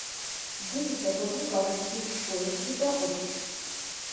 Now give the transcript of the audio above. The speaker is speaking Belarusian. Дзецям такое не кажуць і ў школе не праходзяць.